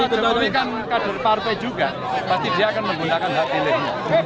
jokowi kan kader partai juga pasti dia akan menggunakan hak pilih